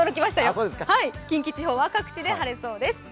近畿地方は各地で晴れそうです。